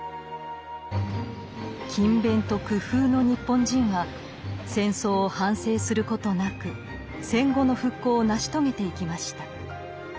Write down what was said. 「勤勉」と「工夫」の日本人は戦争を反省することなく戦後の復興を成し遂げていきました。